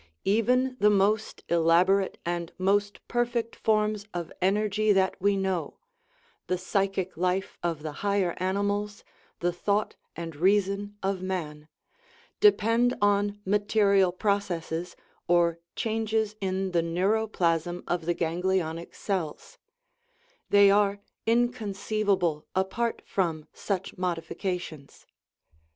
Even the most elabo rate and most perfect forms of energy that we know the psychic life of the higher animals, the thought and rea son of man depend on material processes, or changes in the neuroplasm of the ganglionic cells ; they are incon ceivable apart from such modifications.